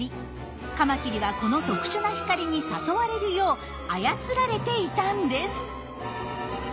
カマキリはこの特殊な光に誘われるよう操られていたんです。